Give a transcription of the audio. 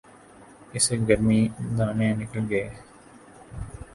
اسے گرمی دانے نکل آئے